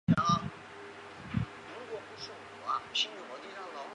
有野晋哉与滨口优是国中与高中同学。